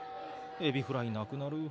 エビフライなくなる！